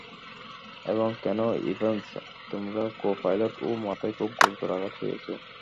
এবং Ken Evans, তোমার copilot, ও মাথায় খুব গুরুতর আঘাত পেয়েছে।